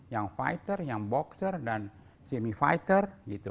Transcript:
yang fighter yang boxer dan semi fighter